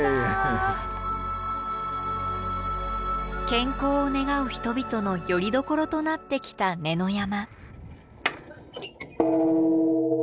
健康を願う人々のよりどころとなってきた子ノ山。